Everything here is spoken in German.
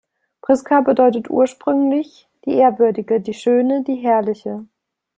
Prisca bedeutet ursprünglich: Die Ehrwürdige, die Schöne, die Herrliche.